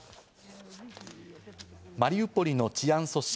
マリウポリの治安組織